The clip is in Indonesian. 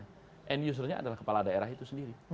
dan usernya adalah kepala daerah itu sendiri